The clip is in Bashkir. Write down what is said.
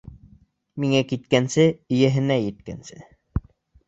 Минән киткәнсе, эйәһенә еткәнсе.